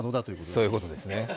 そういうことですね。